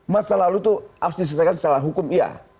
masa lalu itu harus diselesaikan secara hukum iya